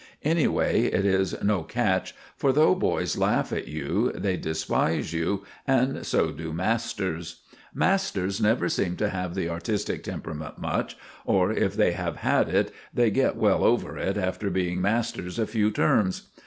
Anyway, it is no catch, for though boys laugh at you, they despise you, and so do masters. Masters never seem to have the artistic temperament much; or, if they have had it, they get well over it after being masters a few terms.